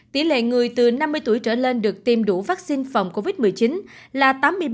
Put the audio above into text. tỷ lệ người từ năm mươi tuổi trở lên được tiêm đủ vắc xin phòng covid một mươi chín là tám mươi ba chín